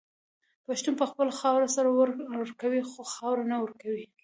پښتون په خپله خاوره سر ورکوي خو خاوره نه ورکوي.